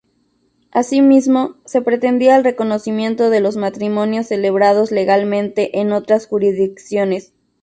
Asimismo, se pretendía el reconocimiento de los matrimonios celebrados legalmente en otras jurisdicciones.